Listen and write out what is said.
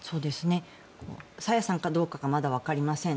朝芽さんかどうかはまだわかりません。